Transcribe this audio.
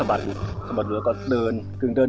ไหมใจก่อน